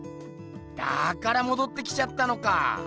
だからもどってきちゃったのか。